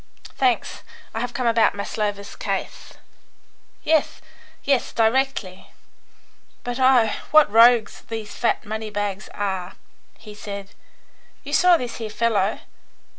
"Thanks; I have come about Maslova's case." "Yes, yes; directly! But oh, what rogues these fat money bags are!" he said. "You saw this here fellow.